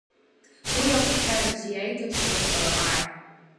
Уи ахәшьара бзиа аиҭеит Шоҭа Салаҟаиа.